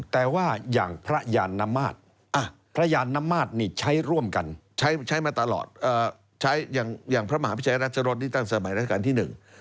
ตั้งสมัยรัฐการณ์ที่หนึ่ง